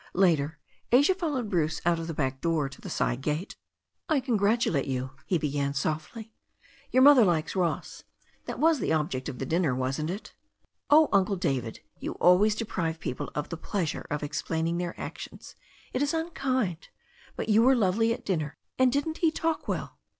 Later Asia followed Bruce out of the back door to the side gate. "I congratulate you," he began softly. "Your mother likes Ross. That was the object of the dinner, wasn't it?" "Oh, Uncle David, you always deprive people of the pleasure of explaining their actions. It is unkind. But you were lovely at dinner, and didn't he talk well?"